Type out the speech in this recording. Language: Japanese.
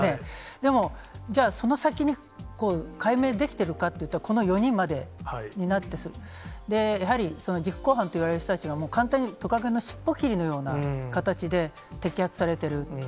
でも、じゃあ、その先に解明できてるかっていったら、この４人までになって、やはりその実行犯といわれる人たちが簡単に、トカゲの尻尾きりのような形で、摘発されてる。